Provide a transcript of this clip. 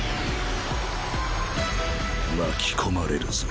巻き込まれるぞ。